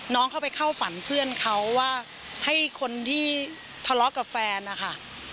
เข้าไปเข้าฝันเพื่อนเขาว่าให้คนที่ทะเลาะกับแฟนนะคะ